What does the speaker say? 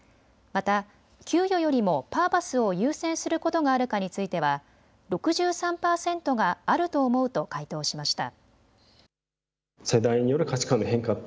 また給与よりもパーパスを優先することがあるかについては６３％があると思うと回答しました。